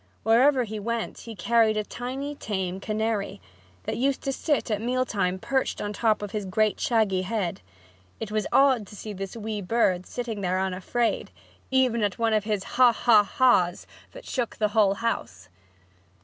Wherever he went he carried a tiny tame canary, that used to sit at meal time perched on the top of his great shaggy head. It was odd to see this wee bird sitting there unafraid, even at one of his "ha ha ha's" that shook the whole house.